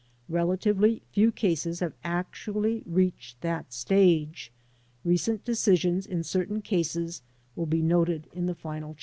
Relatively few cases have actually reached that stage. Recent decisions in certain cases will be noted in the final chapter.